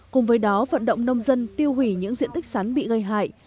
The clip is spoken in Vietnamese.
cùng với đó vận động nông dân tiêu hủy những diện tích sắn bị gây hại